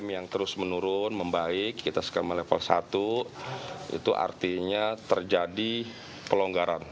yang terus menurun membaik kita skema level satu itu artinya terjadi pelonggaran